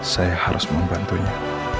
saya harus membantunya